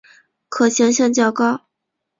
可行性较高